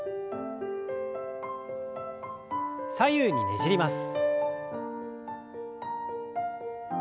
左右にねじります。